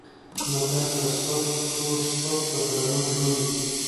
متل: په سپکو سپک په درونو دروند.